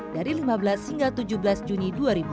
dari lima belas hingga tujuh belas juni dua ribu dua puluh